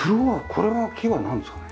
これは木はなんですかね？